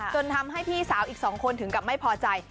จนทำให้พี่สาวอีก๒คนถึงกับไม่พอใจ